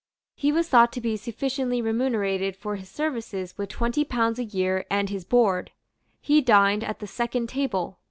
He was thought to be sufficiently remunerated for his services with twenty pounds a year and his board. He dined at the second table.